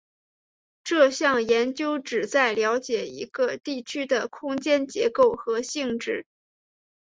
这项研究旨在了解一个地区的空间结构和性质。